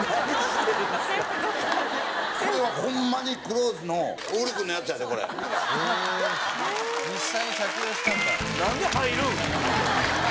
これはホンマに「クローズ」の小栗くんのやつやでこれ何で入るん！？